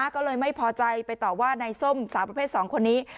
ก็เลยไม่พอใจไปต่อว่านายส้มสาวประเภท๒คนนี้